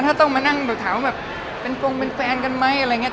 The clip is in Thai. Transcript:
ถ้าต้องมานั่งถามว่าแบบเป็นคนเป็นแฟนกันไหมอะไรเงี้ย